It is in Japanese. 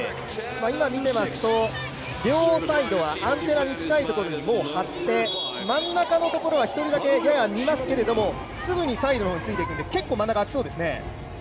今、見ていますと両サイドはアンテナに近いところに張って真ん中のところだけは１人だけ、ややいますけれどもすぐにサイドの方についてくので真ん中、結構空きそうですね。